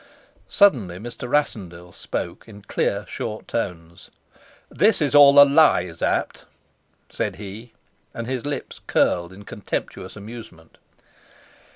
Suddenly Mr. Rassendyll spoke in clear, short tones. "This is all a lie, Sapt," said he, and his lips curled in contemptuous amusement.